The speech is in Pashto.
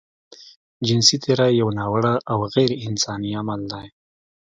جنسي تېری يو ناوړه او غيرانساني عمل دی.